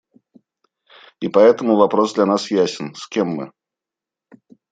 И поэтому вопрос для нас ясен: с кем мы?